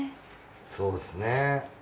そうですね。